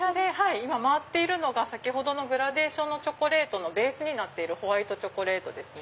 今回っているのがグラデーションのチョコレートのベースになってるホワイトチョコレートですね。